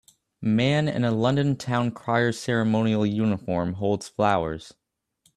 man in a London town crier ceremonial uniform holds flowers